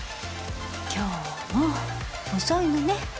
今日も遅いのね。